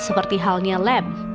seperti halnya lab